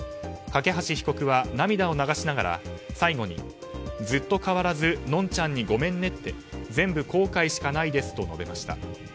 梯被告は涙を流しながら、最後にずっと変わらずのんちゃんにごめんねって全部、後悔しかないですと述べました。